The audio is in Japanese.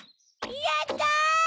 やった！